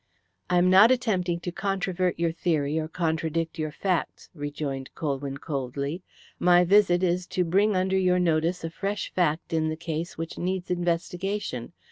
"I am not attempting to controvert your theory or contradict your facts," rejoined Colwyn coldly. "My visit is to bring under your notice a fresh fact in the case which needs investigation.